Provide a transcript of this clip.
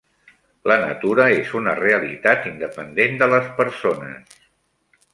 La natura és una realitat independent de les persones.